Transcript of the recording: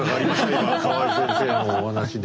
今河合先生のお話で。